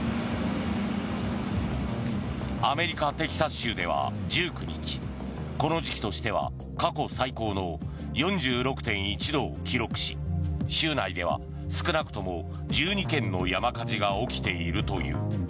アメリカ・テキサス州では１９日この時期としては過去最高の４６．１度を記録し、州内では少なくとも１２件の山火事が起きているという。